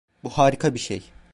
Bu harika bir şey.